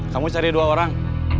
kamu cari dua orang